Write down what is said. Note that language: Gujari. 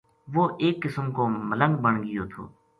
وہ ایک قسم کو ملنگ بن گیو تھو